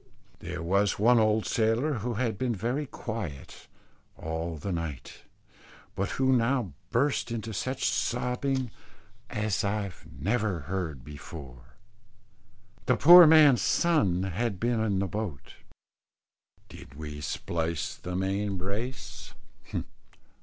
There was one old sailor who had been very quiet all the night, but who now burst into such sobbing as I never heard before. The poor man's son had been in the boat. Did we splice the main brace?